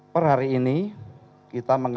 bahwa kami diterima